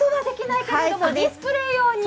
ディスプレー用に。